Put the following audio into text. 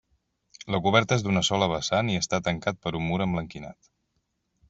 La coberta és d'una sola vessant i està tancat per un mur emblanquinat.